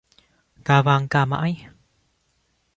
Ca vang ca mãi